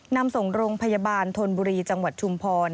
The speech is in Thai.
นำส่งโรงพยาบาลธนบุรีจังหวัดชุมพร